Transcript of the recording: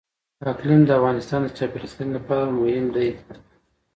اقلیم د افغانستان د چاپیریال ساتنې لپاره مهم دي.